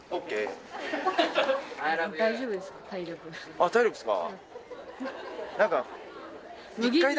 あっ体力っすか。